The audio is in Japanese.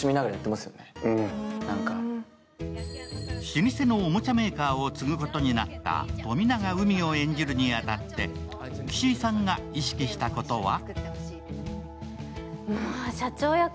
老舗のおもちゃメーカーを継ぐことになった富永海を演じるに当たって岸井さんが意識したことは？